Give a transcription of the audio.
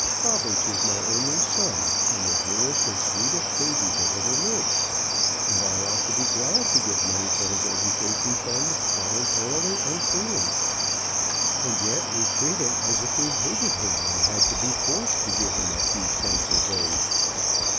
Bobberts is my only son, and the dearest and sweetest baby that ever lived, and I ought to be glad to give money for his education fund voluntarily and freely; and yet we treat him as if we hated him and had to be forced to give him a few cents a day.